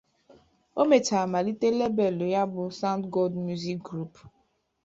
O mechara malite lebeelụ ya bụ, "Soundgod Music Group".